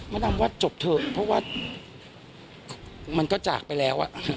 ดำว่าจบเถอะเพราะว่ามันก็จากไปแล้ว